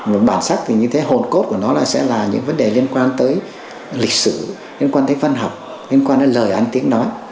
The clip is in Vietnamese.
về bản sắc thì như thế hồn cốt của nó lại sẽ là những vấn đề liên quan tới lịch sử liên quan tới văn học liên quan đến lời ăn tiếng nói